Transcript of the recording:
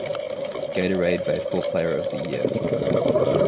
Gatorade Baseball Player of the Year.